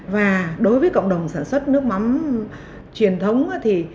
và đối với cộng đồng sản xuất nước mắm truyền thống thì